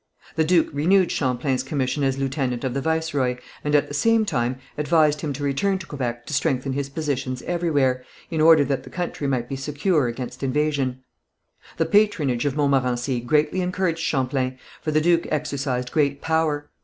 The duke renewed Champlain's commission as lieutenant of the viceroy, and at the same time advised him to return to Quebec to strengthen his positions everywhere, in order that the country might be secure against invasion. The patronage of Montmorency greatly encouraged Champlain, for the duke exercised great power.